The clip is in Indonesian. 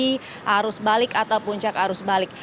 jadi ini memang sudah terjadi di arah punggung arus balik